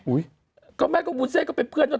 อุ๊ยก็แม่หลุ้นเส้นก็เป็นเพื่อนไหน